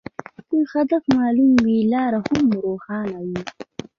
که هدف معلوم وي، لار هم روښانه وي.